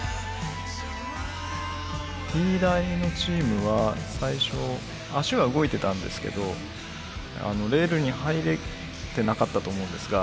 Ｔ大のチームは最初脚は動いてたんですけどレールに入れてなかったと思うんですが。